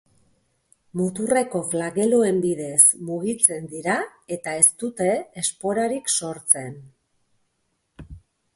Muturreko flageloen bidez mugitzen dira eta ez dute esporarik sortzen.